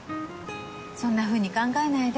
そんなふうに考えないで。